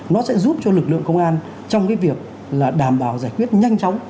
nó sẽ giúp cho lực lượng công an trong cái việc là đảm bảo giải quyết nhanh chóng